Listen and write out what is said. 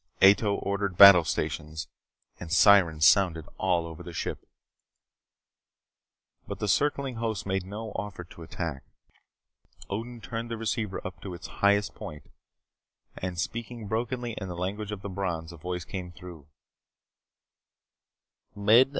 Ato ordered "Battle Stations" and sirens sounded all over the ship. But the circling host made no offer to attack. Odin turned the receiver up to its highest point, and speaking brokenly in the language of the Brons a voice came through.